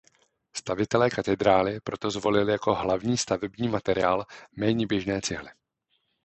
Stavitelé katedrály proto zvolili jako hlavní stavební materiál méně běžné cihly.